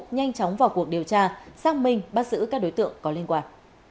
nhanh chóng vào cuộc điều tra xác minh bắt giữ các đối tượng có liên quan